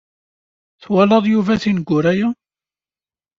Twalaḍ Yuba tineggura-ya?